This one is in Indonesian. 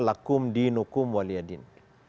lekum dinukum waliyadin